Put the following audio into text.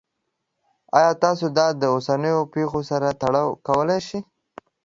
ایا تاسو دا د اوسنیو پیښو سره تړاو کولی شئ؟